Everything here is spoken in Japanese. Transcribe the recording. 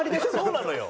そうなのよ。